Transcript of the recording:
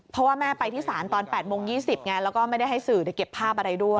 เพราะว่าแม่ไปที่ศาลตอน๘โมง๒๐ไงแล้วก็ไม่ได้ให้สื่อเก็บภาพอะไรด้วย